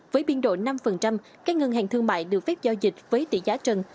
với biên độ năm các ngân hàng thương mại được phép giao dịch với tỷ giá trần